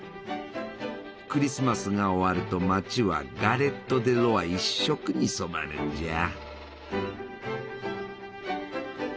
クリスマスが終わると町はガレット・デ・ロワ一色に染まるんじゃ。